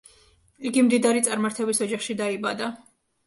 იგი მდიდარი წარმართების ოჯახში დაიბადა.